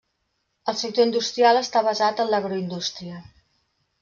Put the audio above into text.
El sector industrial està basat en l'agroindústria.